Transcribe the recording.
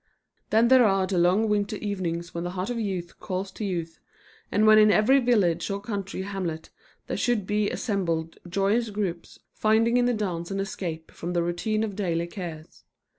Then there are the long winter evenings when the heart of youth calls to youth, and when in every village or country hamlet there should be assembled joyous groups, finding in the dance an escape from the routine of daily cares.